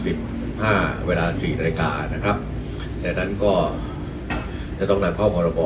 สิบห้าเวลาสี่นาฬิกานะครับแต่นั้นก็อ่าจะต้องนำเข้าพรบอ